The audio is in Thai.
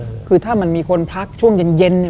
อเรนนี่ก็คือถ้ามันมีคนพักช่วงเย็นเนี่ย